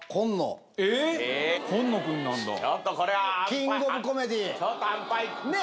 キングオブコメディ。